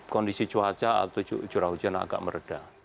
kondisi cuaca atau curah hujan agak meredah